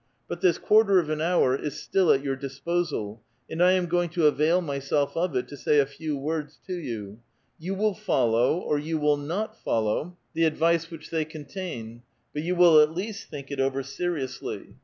But this quarter of an hour is still at your disposal, and I am going to avail myself of it to say a few words to you ; you will follow or you will not follow 38 A VITAL QUESTION. tlie advice wliich they contain, but you will at least think it over seriously.